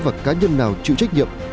và cá nhân nào chịu trách nhiệm